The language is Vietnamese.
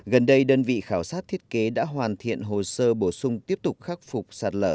gần đây đơn vị khảo sát thiết kế đã hoàn thiện hồ sơ bổ sung tiếp tục khắc phục sạt lở